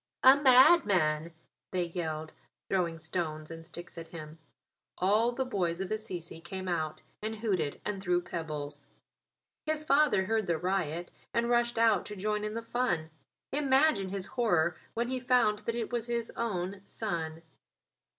"A madman," they yelled, throwing stones and sticks at him. All the boys of Assisi came out and hooted and threw pebbles. His father heard the riot and rushed out to join in the fun. Imagine his horror when he found that it was his own son.